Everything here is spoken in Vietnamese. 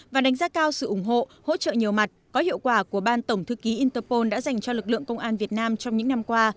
và đánh giá cao sự ủng hộ hỗ trợ nhiều mặt có hiệu quả của ban tổng thư ký interpol đã dành cho lực lượng công an việt nam trong những năm qua